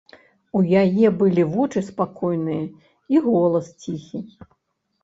У яе былі вочы спакойныя і голас ціхі.